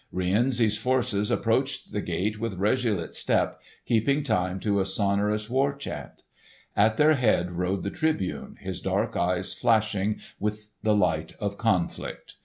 Rienzi's forces approached the gates with resolute step keeping time to a sonorous war chant. At their head rode the Tribune, his dark eyes flashing with the light of conflict.